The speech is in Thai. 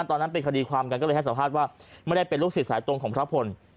ตอนนั้นเป็นคดีความกันก็เลยให้สัมภาษณ์ว่าไม่ได้เป็นลูกศิษย์สายตรงของพระพล